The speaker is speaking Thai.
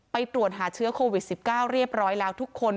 ตรวจหาเชื้อโควิด๑๙เรียบร้อยแล้วทุกคน